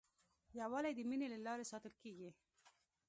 یووالی د مینې له لارې ساتل کېږي.